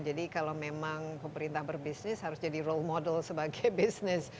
jadi kalau memang pemerintah berbisnis harus jadi role model sebagai bisnis